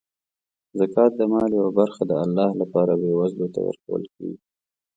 زکات د مال یوه برخه د الله لپاره بېوزلو ته ورکول کیږي.